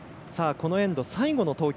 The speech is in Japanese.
このエンド最後の投球。